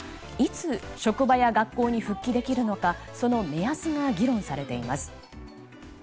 いつ職場や学校に復帰できるのかその目安が議論されています。